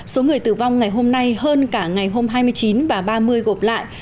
số người tử vong ngày hôm nay hơn cả ngày hôm hai mươi chín và ba mươi gộp lại